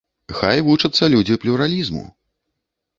Хай вучацца людзі плюралізму.